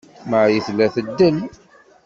Marie tella teddal.